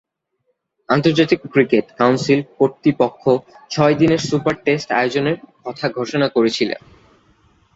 আন্তর্জাতিক cricket council কর্তৃপক্ষ ছয়-দিনের সুপার টেস্ট আয়োজনের কথা ঘোষণা করেছিল।